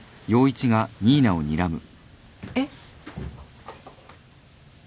えっ？